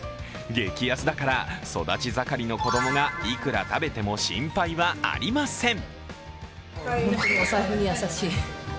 激安だから、育盛の子供がいくら食べても心配はありません。